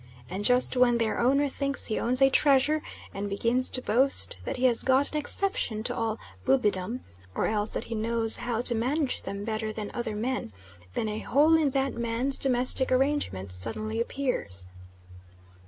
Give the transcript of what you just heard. And just when their owner thinks he owns a treasure, and begins to boast that he has got an exception to all Bubidom, or else that he knows how to manage them better than other men, then a hole in that man's domestic arrangements suddenly appears.